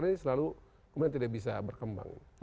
tapi partai golkar ini selalu tidak bisa berkembang